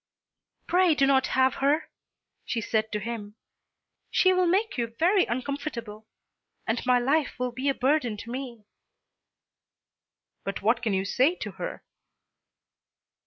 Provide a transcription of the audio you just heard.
"Pray do not have her," she said to him. "She will make you very uncomfortable, and my life will be a burden to me." "But what can you say to her?"